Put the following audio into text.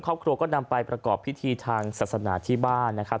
ครอบครัวก็นำไปประกอบพิธีทางศาสนาที่บ้านนะครับ